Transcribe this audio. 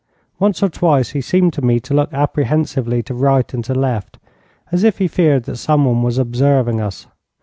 Once or twice he seemed to me to look apprehensively to right and to left, as if he feared that someone was observing us.